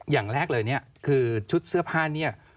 อย่างแรกเลยเนี่ยคือชุดเสื้อผ้าเนี่ย